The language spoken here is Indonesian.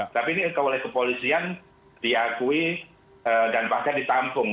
tapi ini oleh kepolisian diakui dan bahkan ditampung